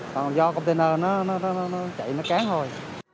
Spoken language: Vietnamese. còn do container nó chạy nó cán thôi